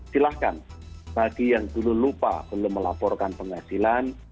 silahkan bagi yang dulu lupa belum melaporkan penghasilan